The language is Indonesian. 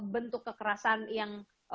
bentuk kekerasan yang